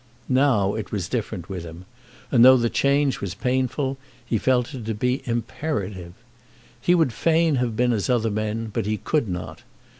Now it was different with him, and though the change was painful, he felt it to be imperative. He would fain have been as other men, but he could not.